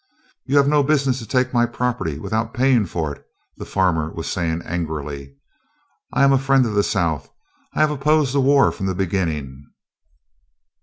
"You have no business to take my property without paying for it!" the farmer was saying, angrily. "I am a friend of the South; I have opposed the war from the beginning."